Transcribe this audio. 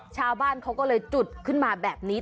ชาวบ้านเขาก็เลยจุดขึ้นมาแบบนี้